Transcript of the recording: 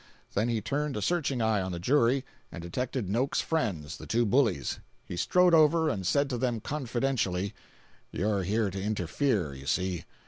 Then he turned a searching eye on the jury, and detected Noakes's friends, the two bullies. He strode over and said to them confidentially: "You're here to interfere, you see.